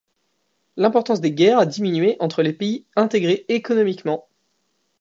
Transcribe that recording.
L’importance des guerres a diminué entre les pays intégrés économiquement.